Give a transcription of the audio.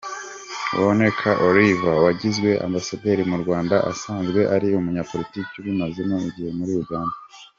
Wonekha Oliver wagizwe Ambasaderi mu Rwanda asanzwe ari umunyapolitiki ubimazemo igihe muri Uganda.